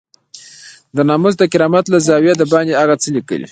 د ناموس د کرامت له زاويې دباندې هغه څه ليکي.